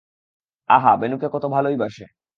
আহা, বেণুকে কত ভালোই বাসে।